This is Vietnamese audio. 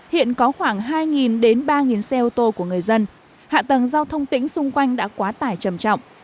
hiện có khoảng hai đến ba xe ô tô của người dân hạ tầng giao thông tỉnh xung quanh đã quá tải trầm trọng